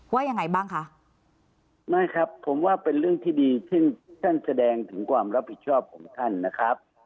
ว่ายังไงบ้างคะไม่ครับผมว่าเป็นเรื่องที่ดีซึ่งท่านแสดงถึงความรับผิดชอบของท่านนะครับ